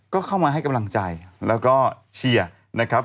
ก็เข้ามาให้กำลังใจแล้วก็เชียร์นะครับ